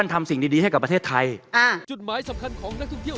ทำสิ่งดีให้กับประเทศไทย